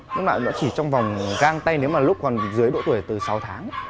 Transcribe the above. nó chỉ trong vòng găng tay nếu mà lúc còn dưới độ tuổi từ sáu tháng